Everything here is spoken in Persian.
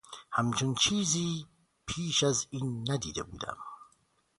همچو چیزی پبش از این ندیده بودم